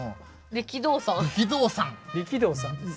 「力道さん」です。